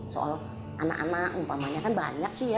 soal anak anak umpamanya kan banyak sih ya